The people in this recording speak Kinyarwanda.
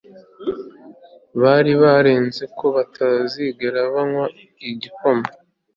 bari baranze ko batazigera banywa igikoma